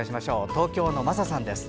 東京のまささんです。